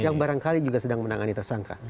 yang barangkali juga sedang menangani tersangka